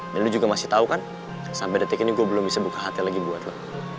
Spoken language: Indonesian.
dan lo juga masih tau kan sampai detik ini gue belum bisa buka hati lagi buat lo